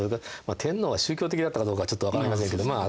天皇は宗教的だったかどうかちょっと分かりませんけどまあ